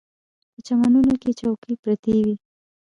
په چمنونو کې چوکۍ پرتې وې.